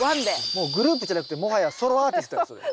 もうグループじゃなくてもはやソロアーティストやそれ。